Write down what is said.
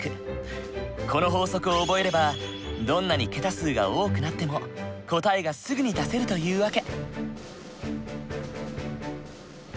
この法則を覚えればどんなに桁数が多くなっても答えがすぐに出せるという訳。